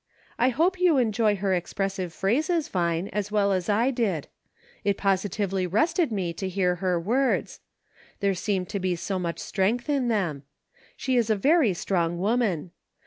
I hope you enjoy her expressive phrases, Vine, as well as I did ; it positively rested me to hear her words ; there seemed to be so much strength in them ; she is a very strong woman.